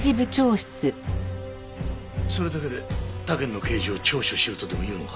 それだけで他県の刑事を聴取しろとでも言うのか？